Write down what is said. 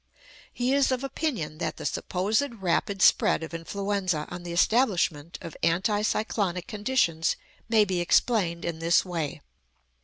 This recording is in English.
He is of opinion that the supposed rapid spread of influenza on the establishment of anti cyclonic conditions may be explained in this way.